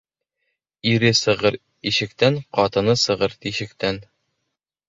Ире сығыр ишектән, ҡатыны сығыр тишектән.